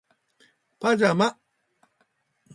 パジャマ